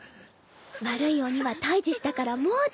悪い鬼は退治したからもう大丈夫。